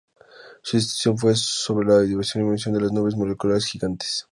Su disertación fue sobre "La formación y evolución de las nubes moleculares gigantes".